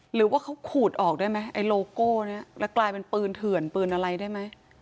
หรือว่าเขาขูดออกได้ไหมไอ้โลโก้เนี่ยแล้วกลายเป็นปืนเถื่อนปืนอะไรได้ไหม